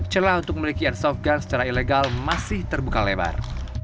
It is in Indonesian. celah untuk memiliki airsoft gun secara ilegal masih terbuka lebar